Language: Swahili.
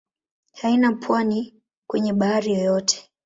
Haina pwani kwenye bahari yoyote.